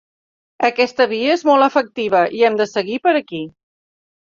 Aquesta via és molt efectiva i hem de seguir per aquí.